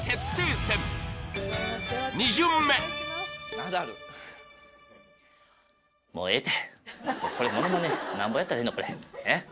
ナダルもうええてこれものまねなんぼやったらええのこれえっ？